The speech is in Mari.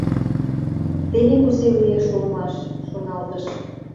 «Теве кузе лиеш улмаш», — шоналтыш.